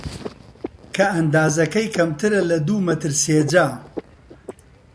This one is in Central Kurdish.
کە ئەندازەکەی کەمترە لە دوو مەتر سێجا